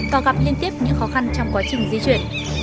và gặp liên tiếp những khó khăn trong quá trình di chuyển